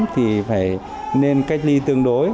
thì phải nên cách ly tương đối